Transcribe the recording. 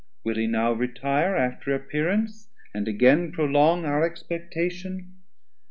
will he now retire 40 After appearance, and again prolong Our expectation?